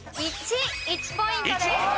１。１ポイントです。